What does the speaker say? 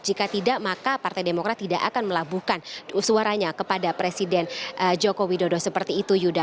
jika tidak maka partai demokrat tidak akan melabuhkan suaranya kepada presiden joko widodo seperti itu yuda